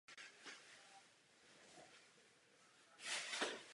Zavlečena byla do Severní i Jižní Ameriky a na Nový Zéland.